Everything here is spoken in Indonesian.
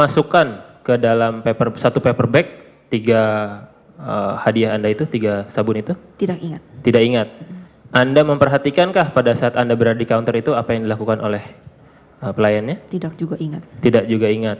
selanjutnya anda sampai ke meja lima puluh empat